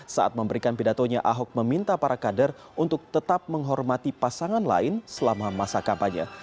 saat memberikan pidatonya ahok meminta para kader untuk tetap menghormati pasangan lain selama masa kampanye